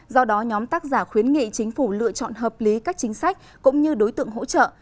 do đó nhóm tác giả khuyến nghị chính phủ lựa chọn hợp lý các chính sách cũng như đối tượng hỗ trợ